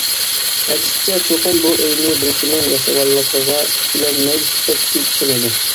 ئەكسىچە چوقۇم بۇ ئۆينى بىرسىنىڭ ياسىغانلىقىغا ئىككىلەنمەي شەكسىز ئىشىنىدۇ.